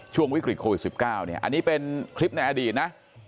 ช่วงวิกฤตโควิด๑๙เนี่ยอันนี้เป็นคลิปในอดีตนะ